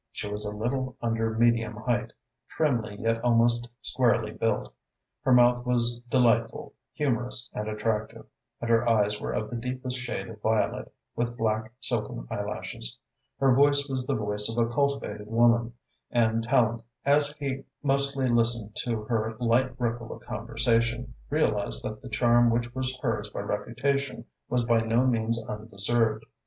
She was a little under medium height, trimly yet almost squarely built. Her mouth was delightful, humourous and attractive, and her eyes were of the deepest shade of violet, with black, silken eyelashes. Her voice was the voice of a cultivated woman, and Tallente, as he mostly listened to her light ripple of conversation, realised that the charm which was hers by reputation was by no means undeserved.